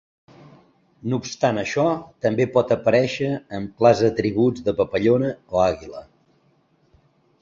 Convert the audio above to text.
No obstant això, també pot aparèixer amb clars atributs de papallona o àguila.